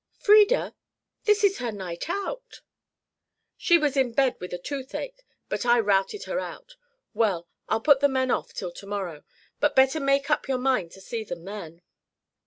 "Frieda? This is her night out " "She was in bed with a toothache, but I routed her out. Well, I'll put the men off till to morrow, but better make up your mind to see them then."